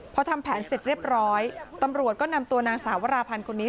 พอทำแผนเสร็จเรียบร้อยตำรวจก็นำตัวนางสาวราพันธ์คนนี้